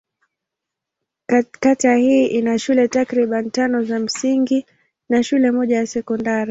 Kata hii ina shule takriban tano za msingi na shule moja ya sekondari.